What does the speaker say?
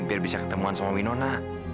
biar bisa ketemuan sama winona